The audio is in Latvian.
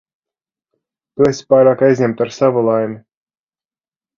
Tu esi pārāk aizņemta ar savu laimi.